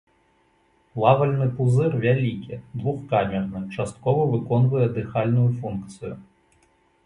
Плавальны пузыр вялікі, двухкамерны, часткова выконвае дыхальную функцыю.